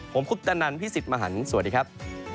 ผมคุปตะนันพี่สิทธิ์มหันฯสวัสดีครับ